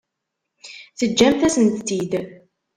Teǧǧamt-asent-t-id.